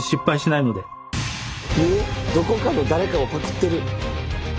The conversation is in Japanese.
どこかの誰かをパクってる！